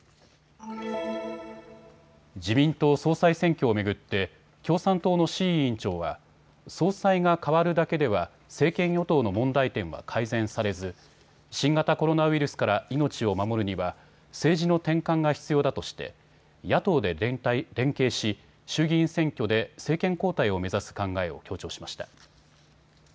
自民党総裁選挙を巡って共産党の志位委員長は総裁がかわるだけでは政権与党の問題点は改善されず新型コロナウイルスから命を守るには、政治の転換が必要だとして野党で連携し衆議院選挙で政権交代を目指す考えを強調しました。